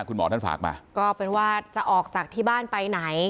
คุณหมอท่านฝากมาก็เป็นว่าจะออกจากที่บ้านไปไหน